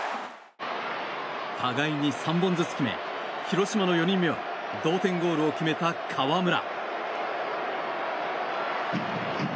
互いに３本ずつ決め広島の４人目は同点ゴールを決めた川村。